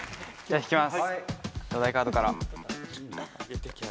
引きます。